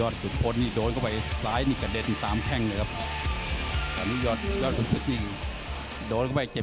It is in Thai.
ทุกคนหมดยกที่สี่